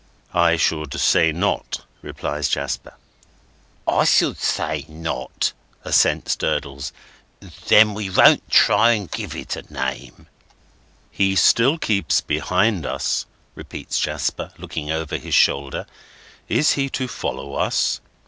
"I should say not," replies Jasper. "I should say not," assents Durdles; "then we won't try to give it a name." "He still keeps behind us," repeats Jasper, looking over his shoulder; "is he to follow us?"